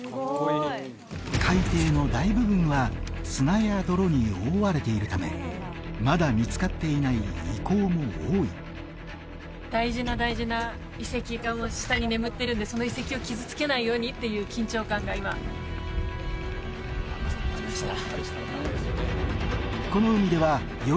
海底の大部分は砂や泥に覆われているためまだ見つかっていない遺構も多い大事な大事な遺跡が下に眠ってるんでその遺跡を傷つけないようにっていう緊張感が今ちょっときました